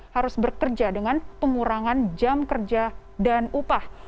harus bekerja dengan pengurangan jam kerja dan upah